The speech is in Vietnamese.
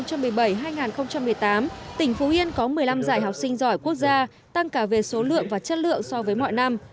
năm hai nghìn một mươi bảy hai nghìn một mươi tám tỉnh phú yên có một mươi năm giải học sinh giỏi quốc gia tăng cả về số lượng và chất lượng so với mọi năm